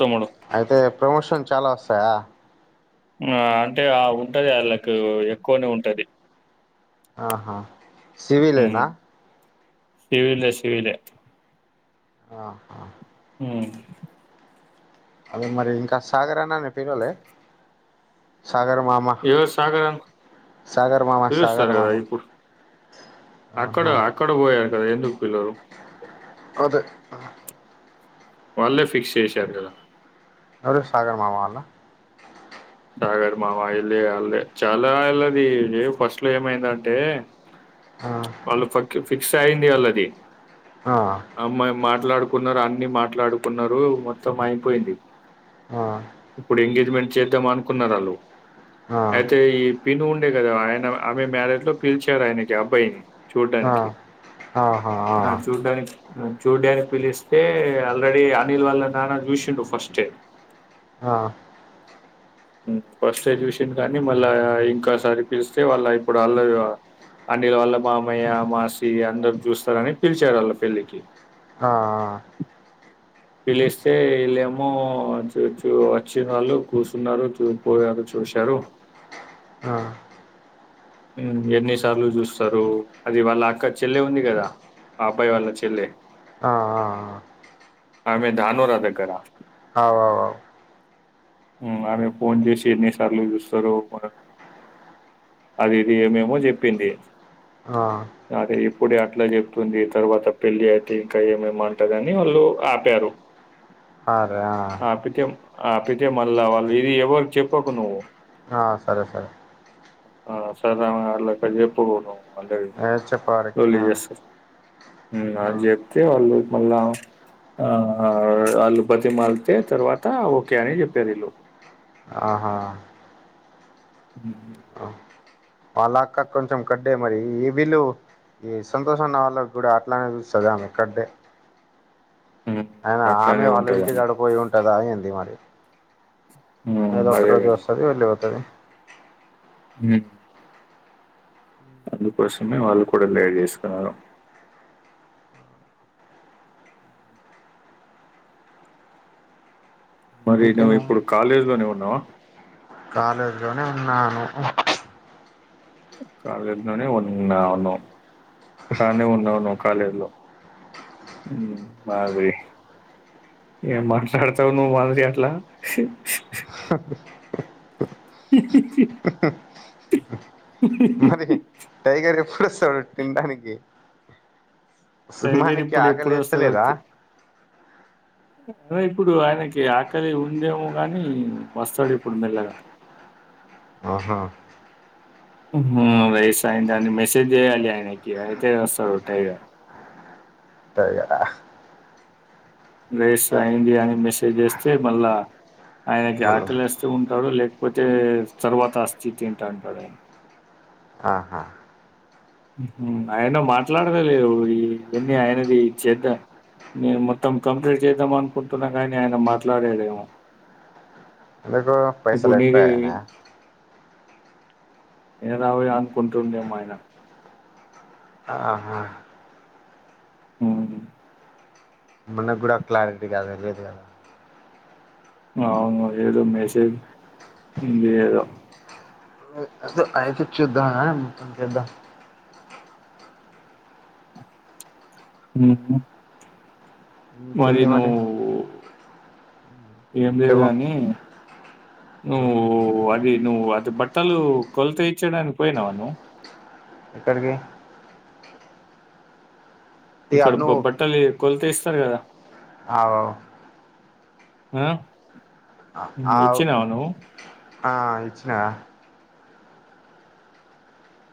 తమ్ముడు అయితే ప్రమోషన్ చాలా వస్తుంది స ఆ అంటే ఆ ఉంటది వాళ్ళలకు ఎక్కువనే ఉంటది ఆహా సివలేనా శివలే శివలే ఆ హా ఉమ్ అదే మరి ఇంకా సాగరానా పిల్లవలే ఏవ సాగర్ సాగర్ మామ సాగర్ పిలుస్తారు కదా మామ ఇప్పుడు అక్కడ ఆహా అక్కడ పోయారు అ ఎందు ఉకుల్ అదే వాళ్ళే ఫిక్స్ చేసారు కదా రరే సాగర్ మామాలా సాగర్ మామయ్య ఆ ఇల్లు వాళ్ళదే చాలా ఏళ్లు అది ఫస్ట్ లో ఏమైందంటే ఆ వాళ్ళు ఫక్ ఫిక్స్ అయిందిాలది ఆ అమ్మా మా మాట్లాడుకున్నారు అన్ని మాట్లాడుకున్నారు మొత్తం అయిపోయింది ఆ ఇప్పుడు ఎం మెట్ చేద్దమాన కున్న రాళ్ల ఆ అయితే ఈ పిని ఉండే కదా ఆయన ఆమె మ్యారేజ్ లో పిలిచారు ఆయనకి అబ్బాయిని ఆ చూడ్డానికి ఆహా ఆ చూడ్డానికి చూడ్డానికి పిలిస్తే ఆల్రెడీ అనిల్ వాళ్ళ నాన్న చూసిండు ఫస్ట్ ఆ ఫస్ట్ చూసింది కానీ మళ్ళా ఇంకాసారి పిలిస్తే వాళ్ళ ఇప్పుడు అల్లా అనిల్ వాళ్ళ మామయ్య మా శ్రీ అందరు చూస్తారని పిలిచారు వాళ్ళ పెళ్ళికి ఆ ఆ పిలిస్తే వీళ్ళమో చ చూ వచ్చిన వాళ్ళు కూర్చున్నారు చూ పోయారు చూశారు ఎన్ని సార్లు చూస్తారు అది వాళ్ళ అక్క చెల్లె ఉంది కదా ఆ అబ్బాయి వాళ్ళ చెల్లె ఆ ఆ ఆమె దానరా దగ్గర అవువువు అమె ఫోన్ చేస ఎన్ని సార్లు చూస్తారు అది ఇది ఏమేమో చెప్పింది ఆ అది ఇప్పుడే అట్లా చెప్తుంది తర్వాత పెళ్లి అయితే ఇంకా ఏమేమో అంటదని వాళ్ళు ఆపారు అరే ఆ ఆపితే ఆపితే మళ్ళా వాళ్ళు ఇది ఎవరు చెప్పకు నువ్వు ఆ సరే సరే సరే అలా చెప్పకు అందరికీ ఏ చెప్పు వారికి లొల్లి ఆ చేస్తారు హు ఆ అని చెప్తే వాళ్ళు మళ్ళా ఆ అల బతిమాలతే తర్వాత ఓకే అని చెప్పారు వీల్లు ఆహా ఉహు వాళ్ళ అక్క కొంచెం కడ్డే మరి ఈ వీలుు ఈ సంతోషం ఉన్న వాళ్ళకి కూడా అట్లానే చూపిస్తాది ఆమెకడ్డే ఉమ్, అయినా ఆమె అట్లానే వాళ్ళ ఇంటికి ఉంటదండి గడిపోయి ఉంటది అ ఏంది మరి ఏదొ ఉమ్ ఒక అదే రోజు వస్తుది వెళ్ళిపోతాది హు అందుకోసమే వాళ్ళు కూడా లేటు చేసుకున్నారు మరి నువ్ ఇంకేంది ఇప్పుడు కాలేజ్ లో ఊ హలో కాలేజీ లోనే ఉన్నాను కాలేజ్ లోనే ఉన్నాను కానే ఉన్నావు నువ్ కాలేజ్ లో హు అది ఏం మాట్లాడతావు నువ్వు మరి అట్లా మరి టైగర్ ఎ ఎప్పుడొస్తాడు తినడానికి సుమా టైగర్ నీకి ఇప్పుడు ఎప్పుడు వస్తాడో ఆకలేస్తలేదా తె- ఇప్పుడు ఆయనకి ఆకలి ఉందేమో గానీ వస్తాడిప్పుడు మెల్లగా ఆహా హు వయసు అయిది అన్న మెసేజ్ చేయండి ఆయనకి అయితే వస్తాడు టై అయ్యో రైస్ అయింది అని మెసేజ్ చేస్తే మళ్ళా ఆయనకి మళ్ళ ఆకలి వేస్తూ ఉంట తోడు లేకపోతే తర్వాత అసితి ఏంటి అటడాని ఆహా ఆయన మాట్లాడలే లేవు ఇవన్న ఆయనది చేద్దా నే మొత్తం కంప్లీట్ చేద్దాం అనుకుంటున్నా కాని ఆయన మాట్లాడేమో ఎందుకు పైసలు ఎక్కువయనా ఏడవైన అనుకుంటునాడో అయిన ఆహా [unintelligible] మనకి కూడా క్లారిటీ గా తెల్వదు కదా అవును ఏదో మేసేజ్ంది ఏదో అస అయితే చ్చూద్దామే మొత్తం చూద్దం ఉహు మరి నువ్వు ఏం లేదు చెప్పు గని నువ్వు అది నువ్వు అది బట్టలు కొలత ఇచ్చడానికి పోయినావ నువ్వు ఎక్కడకి ఇక్కడ బట్టలు కొలితిస్ రు కదా అవు ఆ ఆవ్ ఇచ్చినావా నువ్వు అ ఇచ్చి నా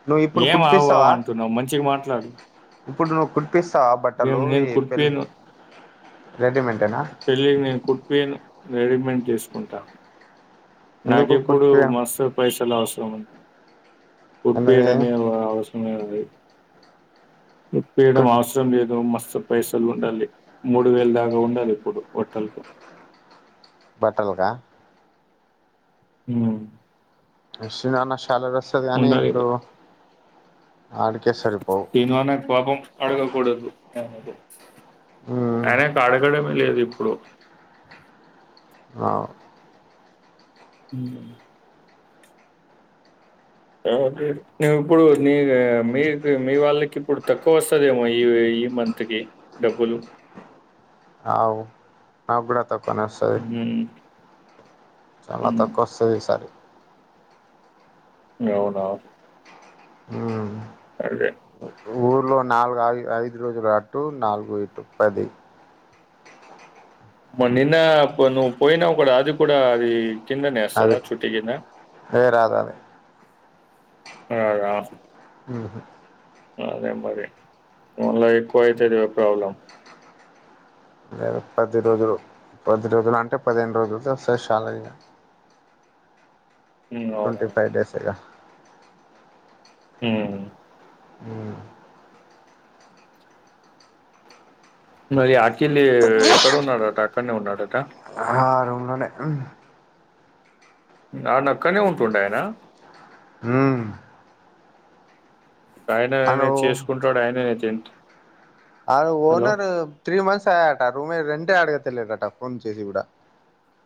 నువ్వు ఇప్పుడు ఏం ఆవు ఆవు కుట్పిస్తావా అంటున్నావ్ మంచిగా మాట్లాడు ఇప్పుడు నువ్ కుడ్ పిస్తావా ఏం బట్టలు నేను ఏ పెళ్ళి కుట్టిపోయాను రెడిమెంట్నా పేన్ రెడీమెంట్ చేసుకుంటా నాకి ఎందుకు ఇప్పుడు కుట్పియవ్ మస్తు పైసలు అవసరం [unintelligible] [unintelligible] అంటే ఇప్పేడం కుట్ అవసరం లేదు మస్త పైసలు ఉండాలి మూడు వేలు దాకా ఉండాలి ఇప్పుడు ఒక్కలకు బట్టల్గా ఉం ఎస్సీ నమస్ చాలా రాస్తది కానీ ఇప్పుడు ఆడికే సరిపోవు తిను అయనేక్ పాపం అడుగా కూడదు మ్మ్ ఆయన కాడగడమే లేదు ఇప్పుడు అవు ఉం ఇప్పుడు నీ మీకు మీ వాళ్ళకి ఇప్పుడు తక్కువ వస్తదేమో ఈ ఈ మంత్కి డబ్బులు నాక్ గుడా త ఉహు చాలా తక్కువ వస్తది ఈసారి అవునా అదే లో నాలుగు ఐ ఐదు రోజుల అటు నాలుగు ఇటు పది మో నిన్న నువ్వు పోయినవ్ కూడా అది కూడా అది కిందనే నేస్తాడు అది చుటీ కింద ఏ రాదు అది ఈగగా ఆఫ్ ఆహా అదే మరి మళ ఎక్కువ అవుతదిగా ప్రాబ్లమ్ నేను పది రోజులు పది రోజులు అంటే పదిహేను రోజులతో వస్తారు చాలా ఇ టట్వ అవునవును ఫైవ డేసేగా ఉ మరి అఖలి ఎక్కడున్నాడట అక్కడనే ఉన్నాడట ఆ రూమ్ లోనే ఆ నక్కనే ఉంటుండయనా ఆయననే అను చేసుకుంటాడు ఆయననేతే ఏంటి ఆ ఓనర్ త్రీ మంత్స్ ఆయాట రూమ రెం అంటే అడగతలేడట ఫోన్ చేసి కూడా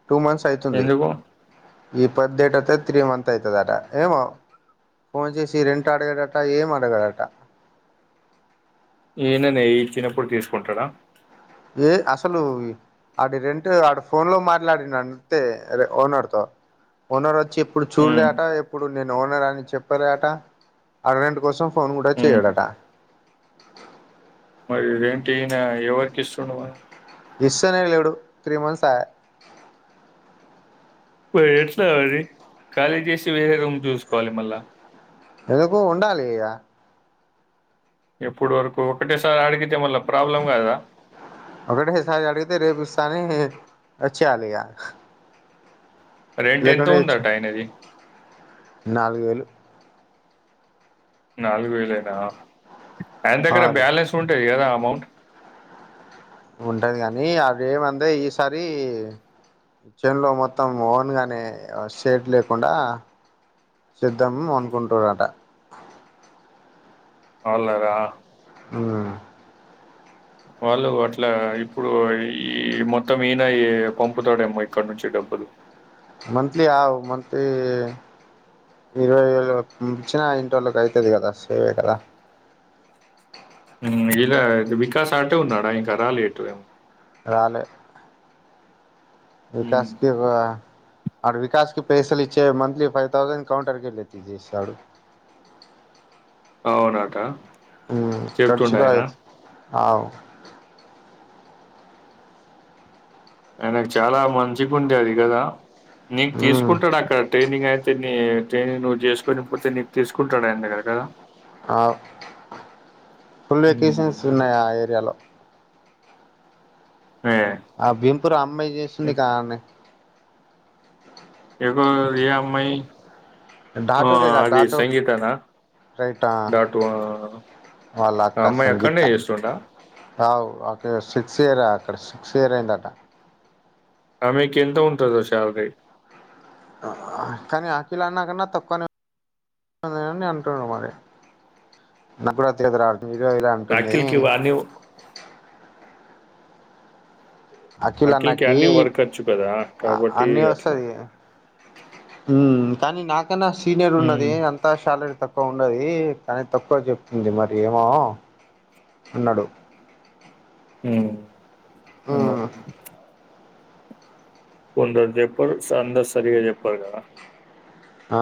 టూ మంత్స్ అయితుంది ఎందుకు ఈ పది డేట్ అవుత త్రీ మంత్ అవుతుదట ఏమో ఫోన్ చేసి రెంట్ అడగాడట ఏం అడగాడట ఈయననే ఇచ్చినప్పుడు తీసుకుంటాడ ఏ అసలు ఆడి రెంట్ ఆడు ఫోన్ లో మాట్లాడిన అంతే ఓనర్ తో ఓనర్ వచ్చి ఇప్పుడు హ్మ్ చూడులేట ఇప్పుడు నేను ఓనర్ అని చెప్పారట అర్నెంట్ కోసం ఫోన్ కూడా హ్మ్ చేయడట మరిదేంటినా ఎవరికి ఇస్తుండు మరి ఇస్ అనే వెడు త్రీ మంత్స్ ఆయే ఇప్పుడు ఏడుస్తారా మరి ఖాళీ చేసి వేరే రూమ్ చూసుకోవాలి మళ్ళా ఎందుకు ఉండాలి ఇక ఎప్పుడు వరకు ఒకటేసారి అడిగితే మళ్ళా ప్రాబ్లం కాదా ఒకటేసారి అడిగితే రేపు ఇస్తాని ఏ అచ్చేయాలిగా రెంట్ ఎంత లేకుండా తెచ్చి ఉందట ఆయనది? నాలుగు వేలు నాలుగు వేలైనా అయన దగ్గర ఆరు బ్యాలెన్స్ ఉంటాయి ఏదా అమౌంట్ ఉంటది గానీ అవి ఏమంది ఈసారి చెన్ లో మొత్తం ఓన్ గానే సేట్ లేకుండా చేద్దాము అనుకుంటురట అవులాగా ఆ వాళ్ళు అట్లా ఇప్పుడు ఈ మొత్తం ఈయన పంపుతాడేమో ఇక్కడ నుంచి డబ్బులు మంత్లీ ఆవు మంత్లీ ఇరవై ఏళ మచ్చిన ఇంటి వాళ్ళకి అవుతుంది కదా సేవే కదా ఇలా వికాస్ ఆటే ఉన్నాడా ఇక రాలే ఎటు ఏం రాలే హ్మ్. వికాశక అడు వికాస్ కి పైసలు ఇచ్చే మంత్లీ ఫైవ్ థౌజండ్ కౌంటర్ కి వెళ్ళ చేసాడు అవునాద ఖర్చుటయితే అవు ఆయనకు చాలా మంచిగు ఉండేది కదా నీను ఉమ్ తీసుకుంటాడు అక్కడ ట్రైనింగ్ అయితే న్ని ట్రైని నువ్వు చేసుకుొని పోతే నీకు తీసుకుంటాడు ఆయనగ కదా ఆ ఫుల్ హ్మ్. వెకేషన్స్ అదే. ఉన్నాయి ఆ ఏరియాలో ఏ ఆ భింపురు అమ్మాయి చేసింది కాని ఎకు ఏమ్మయి డాటూల ఇరా డాటుూ రైట్ డాటు ఆ వాళ్ళ అక్క అమ్మాయి సంగీత అక్కడనే చేస్తుందా అవక సిక్స్ ఇయరా ఇక్కడ సిక్స్ ఇయర్ అయిందట ఆ కేంత ఉంట తసాలగాయి కానీ అఖిలా అన్నాకన్నా తక్కువనేని అంటుడు మరి నాకు కూడా తీదరాడు నాఖల్ కివ అని అఖిల్ అఖిల్కి అన్నాకి అన్ని వర్క్ వచ్చు కదా కాబట్టి అన్ని అట్లా వస్తది కానీ నా అక నా సీనియర్ ఉన్నది హ్మ్ అంత శాల తప్ప తక్కువ ఉన్నది కానీ తక్కువ చెప్తుంది మరి ఏమో అన్నాడు ఉమ్ ఉమ్ కొంద జప్పర్ స అంద సరిగా చెప్పర్ కద ఆ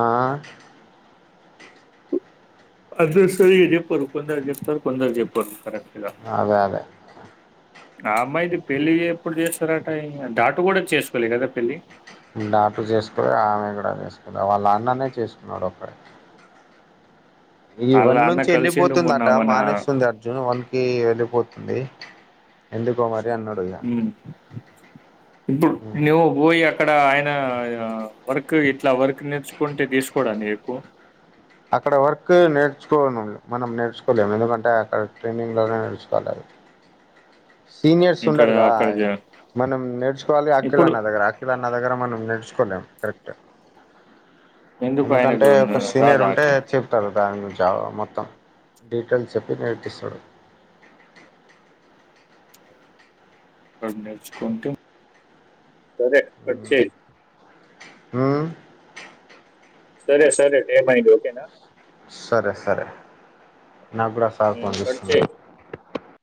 అద సరి చెప్పారు కొందరు చెప్తారు కొందరు చెప్పారు కరెక్ అదే అదే ఆ అమ్మాయిది పెళ్ళి ఎప్పుడు చేస్తారట [inaudible] దాటు కూడా చేసుకోలే కదా పెళ్ళి డాటు చేసుకోలే ఆమె కూడా చేసుకోలే వాళ్ళ అన్ననే చేసుకున్నాడు ఒక్కడే ఆళ్ళ ఇవన్ అన్న నుంచి కలిసిండు మొన్న వెళ్ళిపోతుందట మన మానేస్తుంది అర్జున్ వన్ క వెళ్ళిపోతుంది ఎందుకో మరి టనడయా హ్మ్ ఇప్పుడు నువ్ పోయి అక్కడ ఆయన వర్క్ ఇట్లా వర్క్ నేర్చుకుంటే తీసుకోవడానికి ఎక్కువ అక్కడ వర్క్ నేర్చుకోను మనం నేర్చుకోలేము ఎందుకంటే అక్కడ ట్రైనింగ్ లోనే నేర్చుకోవాలి సీనియర్స్ ఇక్కడ ఉండారుగా అక్కడ జ మనం నేర్చుకోవాలి ఇప్పుడు అఖిలాన్న దగ్గర అఖిలాన్న దగ్గర మనం నేర్చుకోలేం కరెక్ట్ ఎందుకు ఎందుకంటే ఆయనకు ఒక సీనియర్ రాదా ఉంటే అఖిల్ చెప్తారు దాని గురించా మొత్తం డీటెయిల్స్ చెప్పి నేర్పిస్తాడు ఆది నేర్చుకుంటే సరే కట్ చేయ్ ఉమ్ సరే సరే టైమ్ అయ్యింది ఓకేనా సరే సరే నాకు కూడా సార్ ఫోన్ చేస్తు కట్ చేయి [unintelligible]